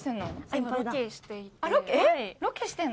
今ロケしていて。